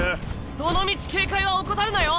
どのみち警戒は怠るなよ。